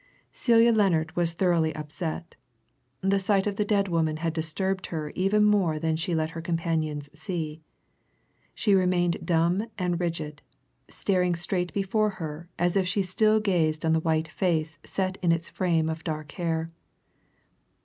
Celia Lennard was thoroughly upset; the sight of the dead woman had disturbed her even more than she let her companions see; she remained dumb and rigid, staring straight before her as if she still gazed on the white face set in its frame of dark hair.